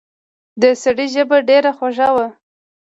د سړي ژبه ډېره خوږه وه.